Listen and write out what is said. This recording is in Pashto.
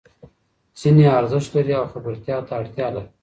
ځینې ارزښت لري او خبرتیا ته اړتیا لري.